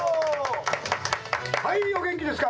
はい、お元気ですか？